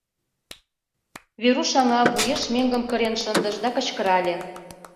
Веруш аҥа вуеш меҥгым кырен шындыш да кычкырале: